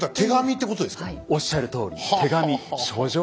おっしゃるとおり手紙書状ですね。